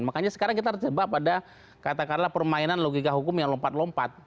makanya sekarang kita harus berjumpa pada kata karla permainan logika hukum yang lompat lompat